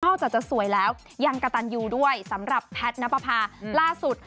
อ้าวจะจะสวยแล้วยังกะตันยูด้วยสำหรับแพทย์ณปภาล่าสุด